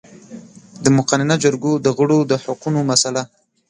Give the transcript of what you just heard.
د مقننه جرګو د غړو د حقونو مسئله